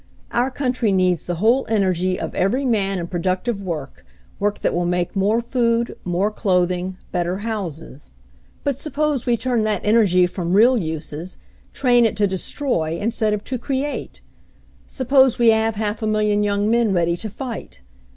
Our country needs the whole energy of every man in productive work, work that will make more food, more clothing, better houses. But suppose we turn that energy from real uses, train it to destroy, instead of to create? Suppose we have half a million young men ready to fight?